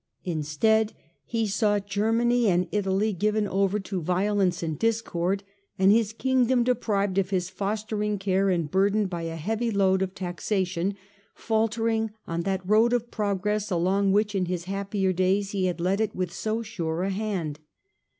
Instead he saw Germany and Italy given over to violence and discord ; and his Kingdom, deprived of his fostering care and burdened by a heavy load of taxation, faltering on that road of progress along which, in his happier days, he had led it with so sure a hand.